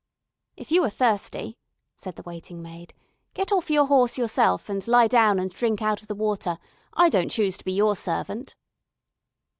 "If you are thirsty," said the waiting maid, "get off your horse yourself, and lie down and drink out of the water; I don't choose to be your servant."